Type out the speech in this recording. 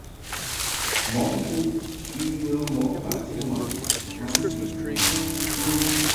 Mɔʼ nchuʼ I yə mɔʼ baʼti ŋwaʼni masi.